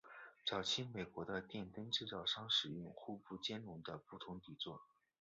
早期美国的电灯制造商使用互不兼容的不同底座。